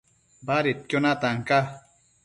Badedquio natan ca